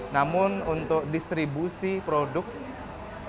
namun untuk distribusi produk ya harapan terbesar mangsih